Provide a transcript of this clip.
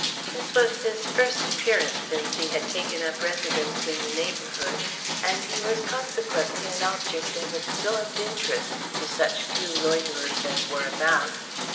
This was his first appearance since he had taken up his residence in the neighbourhood, and he was consequently an object of absorbed interest to such few loiterers as were about.